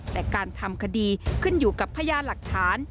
แต่การทำคดีขึ้นอยู่กับพยานหลักฐาน